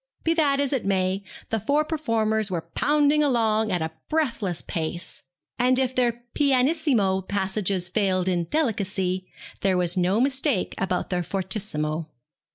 Be that as it may, the four performers were pounding along at a breathless pace; and if their pianissimo passages failed in delicacy, there was no mistake about their fortissimo.